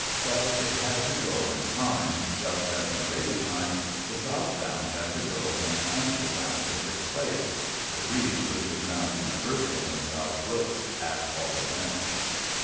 But it had to go in time, just as in later times the Southdown had to go when the Hampshire Down took its place the breed which is now universal, in South Wilts at all events.